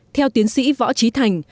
theo tiến sĩ võ trí thành